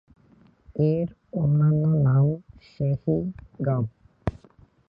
এর অন্যান্য নাম স্যাহী, গাব।